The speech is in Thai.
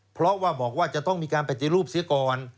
เพราะว่าบอกว่าจะต้องมีการปฏิรูปเสียก่อน